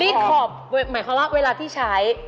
นี่ขอบหมายความว่าเวลาที่ใช้